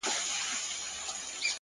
صبر د هیلو اوږد ساتونکی دی!